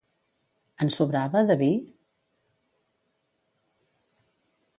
En sobrava, de vi?